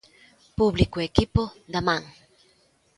Público e equipo, da man.